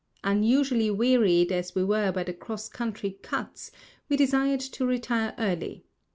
Unusually wearied as we were by the cross country cuts, we desired to retire early.